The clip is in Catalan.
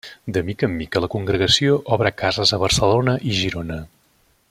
De mica en mica la congregació obre cases a Barcelona, i Girona.